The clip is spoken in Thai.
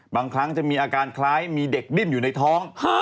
บางครั้งจะมีอาการคล้ายมีเด็กดิ้นอยู่ในท้อง